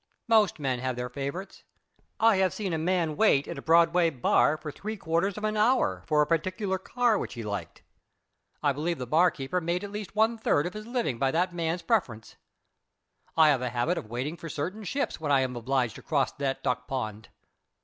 Most men have their favourites. I have seen a man wait in a Broadway bar for three quarters of an hour for a particular car which he liked. I believe the bar keeper made at least one third of his living by that man's preference. I have a habit of waiting for certain ships when I am obliged to cross that duck pond.